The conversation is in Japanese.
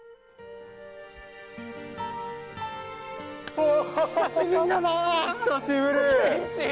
おおっ久しぶりだな久しぶり健一